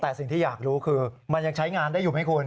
แต่สิ่งที่อยากรู้คือมันยังใช้งานได้อยู่ไหมคุณ